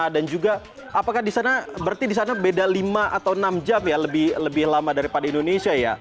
dan juga apakah di sana berarti di sana beda lima atau enam jam ya lebih lama daripada indonesia ya